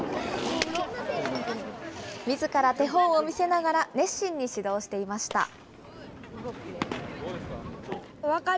みずから手本を見せながら、熱心に指導していました。